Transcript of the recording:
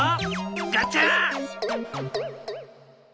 ガチャ！